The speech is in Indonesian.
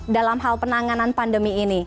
dalam hal penanganan pandemi